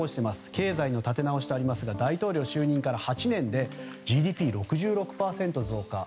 経済の立て直しとありますが大統領の就任から８年でＧＤＰ６％増加。